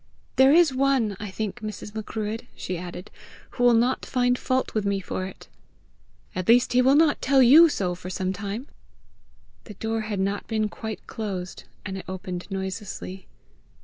"There is one, I think, Mrs. Macruadh," she added, "who will not find fault with me for it!" "At least he will not tell you so for some time!" The door had not been quite closed, and it opened noiselessly.